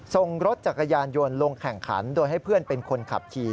ส่งรถจักรยานยนต์ลงแข่งขันโดยให้เพื่อนเป็นคนขับขี่